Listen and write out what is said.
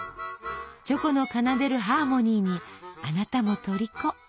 チョコの奏でるハーモニーにあなたもとりこ！